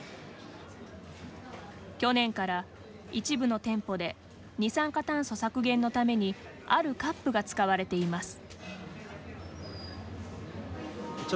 去年から一部の店舗で二酸化炭素削減のためにあるカップが使われています。